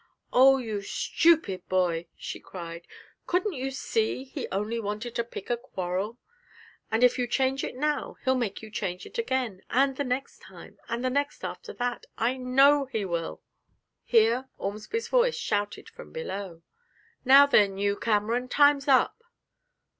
'Oh, you stupid boy!' she cried, 'couldn't you see he only wanted to pick a quarrel? And if you change it now, he'll make you change it again, and the next time, and the next after that I know he will!' Here Ormsby's voice shouted from below, 'Now then, you, Cameron, time's up!'